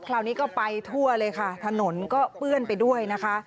คราวนี้ก็ไปทั่วเลยค่ะถนนก็เปื้อนไปด้วยนะคะ